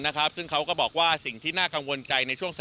ได้จัดเตรียมความช่วยเหลือประบบพิเศษสี่ชน